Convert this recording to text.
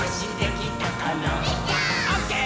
「オッケー！